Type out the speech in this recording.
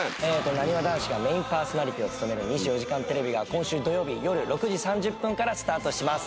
なにわ男子がメインパーソナリティーを務める『２４時間テレビ』が今週土曜日夜６時３０分からスタートします。